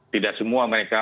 tidak semua mereka